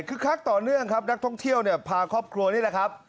คือคักต่อเนื่องครับนักท่องเที่ยวเนี่ยพาครอบครัวนี่แหละครับ